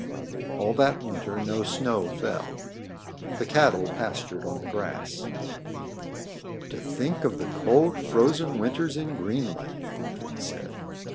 All that winter no snow fell. The cattle pastured on the grass. "To think of the cold, frozen winters in Greenland!" Gudrid said.